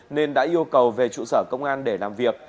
nên đã yêu cầu về trụ sở công an để làm việc